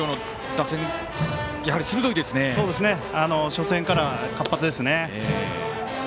初戦から活発ですね。